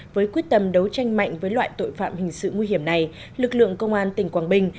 với quyết tâm đấu tranh mạnh với loại tội phạm hình sự nguy hiểm này lực lượng công an tỉnh quảng bình